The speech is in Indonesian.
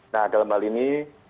nah dalam hal ini